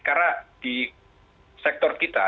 karena di sektor kita